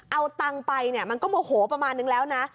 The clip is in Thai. เอาตังค์ไปเนี่ยมันก็โมโหประมาณนึงแล้วนะ